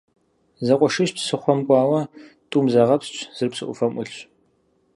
Зэкъуэшищ псыхъуэм кӀуауэ, тӀум загъэпскӀ, зыр псы Ӏуфэм Ӏулъщ.